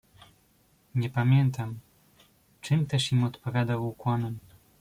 "Nie pamiętam, czym też im odpowiadał ukłonem."